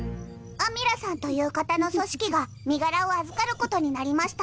アミラさんという方の組織が身柄を預かることになりました。